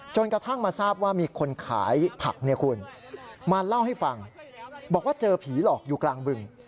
กระทั่งมาทราบว่ามีคนขายผักเนี่ยคุณมาเล่าให้ฟังบอกว่าเจอผีหลอกอยู่กลางบึง